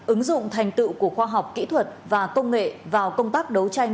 ứng dụng thành tựu của khoa học kỹ thuật và công nghệ vào công tác đấu tranh